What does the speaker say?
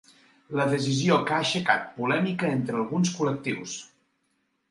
La decisió que ha aixecat polèmica entre alguns col·lectius.